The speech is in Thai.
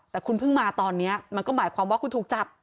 แต่คุณเพิ่งมาตอนนี้มันก็หมายความว่าคุณถูกจับ